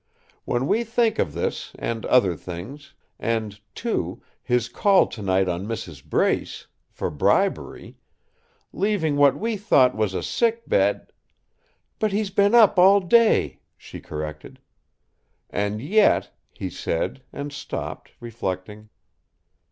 When we think of this, and other things, and, too, his call tonight on Mrs. Brace, for bribery leaving what we thought was a sickbed " "But he's been up all day!" she corrected. "And yet," he said, and stopped, reflecting.